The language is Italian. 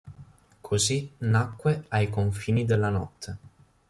Così nacque "Ai confini della notte".